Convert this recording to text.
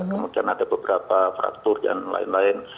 kemudian ada beberapa faktor dan lain lain